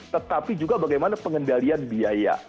tetapi juga bagaimana pengendalian biaya